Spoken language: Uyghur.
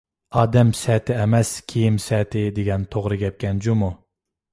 «ئادەم سەتى ئەمەس، كىيىم سەتى» دېگەن توغرا گەپكەن جۇمۇ!